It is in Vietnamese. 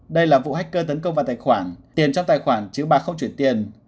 đây là vụ hacker tấn công vào tài khoản tiền trong tài khoản chứ bà không chuyển tiền